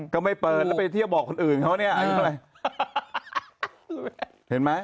ก็ไม่เปิดแล้วไปเที่ยวบอกคนอื่นเขาเนี่ย